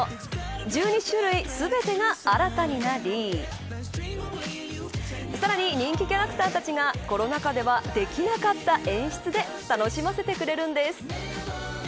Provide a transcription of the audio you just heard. １２種類全てが新たになりさらに、人気キャラクターたちがコロナ禍ではできなかった演出で楽しませてくれるんです。